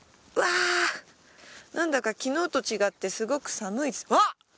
なんだか昨日と違ってすごく寒いですあっ！